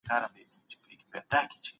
هغه خپل عزت وساتی او له شخړي ليري ولاړی.